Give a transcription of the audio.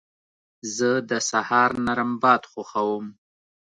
زه د سهار نرم باد خوښوم.